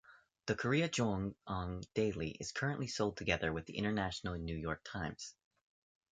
The "Korea JoongAng Daily" is currently sold together with the "International New York Times".